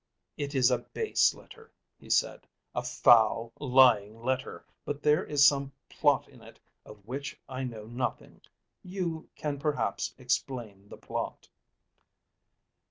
"It is a base letter," he said. "A foul, lying letter. But there is some plot in it of which I know nothing. You can perhaps explain the plot."